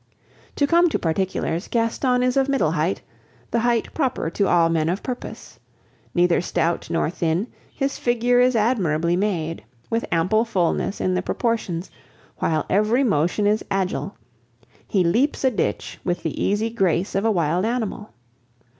To come to particulars, Gaston is of middle height the height proper to all men of purpose. Neither stout nor thin, his figure is admirably made, with ample fulness in the proportions, while every motion is agile; he leaps a ditch with the easy grace of a wild animal.